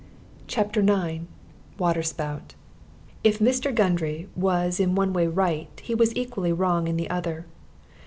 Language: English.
CHAPTER IX WATER SPOUT If Mr. Gundry was in one way right, he was equally wrong in the other.